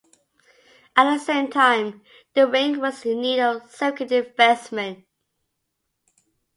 At the same time, the rink was in need of significant investment.